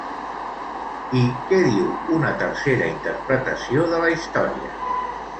I què diu una tercera interpretació de la història?